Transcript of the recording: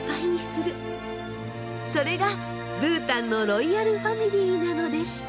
それがブータンのロイヤルファミリーなのでした。